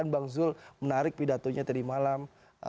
bang zul menarik pidatonya tadi malam